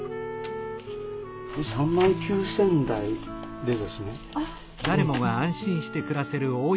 ３万９，０００台でですね。